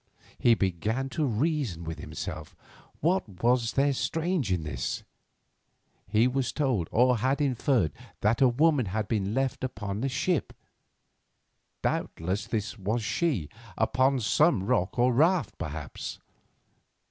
He began to reason with himself. What was there strange in this? He was told, or had inferred, that a woman had been left upon a ship. Doubtless this was she, upon some rock or raft, perhaps.